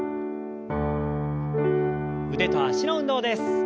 腕と脚の運動です。